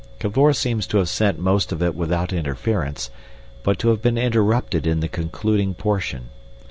Cavor seems to have sent most of it without interference, but to have been interrupted in the concluding portion.